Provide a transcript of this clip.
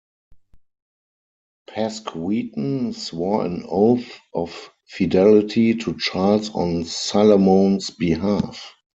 Pascweten swore an oath of fidelity to Charles on Salomon's behalf.